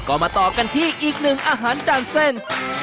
ก็มาต่อกันที่อีกหนึ่งอาหารจานเส้น